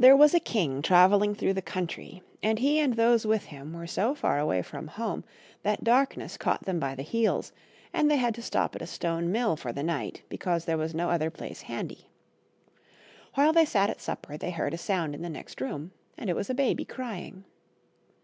HERE was a king travelling through the country, and he and those with him were so far away from home that darkness caught them by the heels, and they had to stop at a stone mill for the night, because there was no other place handy. While they sat at supper they heard a sound in the next room, and it was a baby crying.